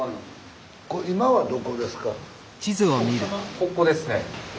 ここですね駅。